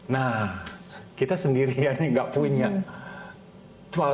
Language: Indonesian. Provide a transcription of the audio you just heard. nah kita sendirian nggak punya